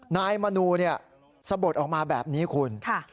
นายมนูเนี่ยสะบดออกมาแบบนี้คุณค่ะ